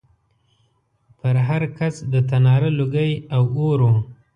پر هر کڅ د تناره لوګی او اور و